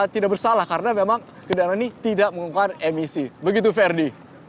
tidak mengungkapkan emisi begitu verdi